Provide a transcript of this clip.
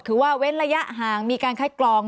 คือว่าเว้นระยะห่างมีการคัดกรอง